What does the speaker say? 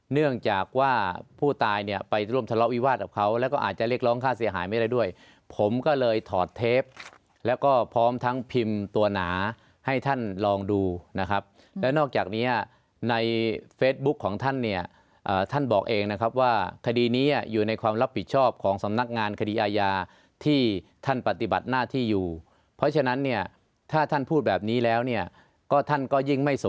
เนื่องจากว่าผู้ตายเนี่ยไปร่วมทะเลาะวิวาสกับเขาแล้วก็อาจจะเรียกร้องค่าเสียหายไม่ได้ด้วยผมก็เลยถอดเทปแล้วก็พร้อมทั้งพิมพ์ตัวหนาให้ท่านลองดูนะครับแล้วนอกจากเนี้ยในเฟซบุ๊คของท่านเนี่ยท่านบอกเองนะครับว่าคดีนี้อยู่ในความรับผิดชอบของสำนักงานคดีอาญาที่ท่านปฏิบัติหน้าที่อยู่เพราะฉะนั้นเนี่ยถ้าท่านพูดแบบนี้แล้วเนี่ยก็ท่านก็ยิ่งไม่ส